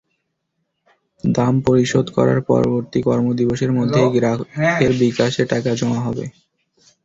দাম পরিশোধ করার পরবর্তী কর্মদিবসের মধ্যেই গ্রাহকের বিকাশে টাকা জমা হবে।